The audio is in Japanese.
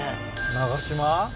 長島。